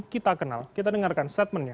kita kenal kita dengarkan statementnya